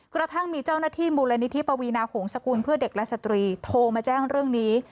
กระทั่งมีเจ้าหน้าที่มูลนิธิปวีนาหงษกุลเพื่อเด็กและสตรีโทรมาแจ้งเรื่องนี้